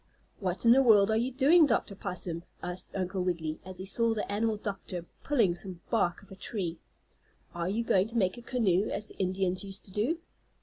"What in the world are you doing, Dr. Possum?" asked Uncle Wiggily, as he saw the animal doctor pulling some bark off a tree. "Are you going to make a canoe, as the Indians used to do?"